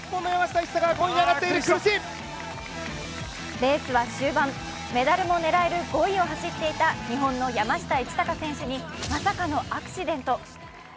レースは終盤、メダルも狙える５位を走っていた日本の山下一貴選手にまさかのアクシデント。